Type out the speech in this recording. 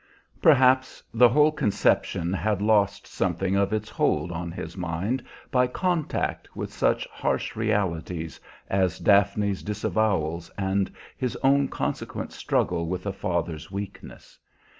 Perhaps the whole conception had lost something of its hold on his mind by contact with such harsh realities as Daphne's disavowals and his own consequent struggle with a father's weakness.